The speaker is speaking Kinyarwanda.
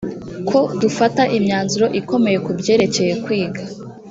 ko dufata imyanzuro ikomeye ku byerekeye kwiga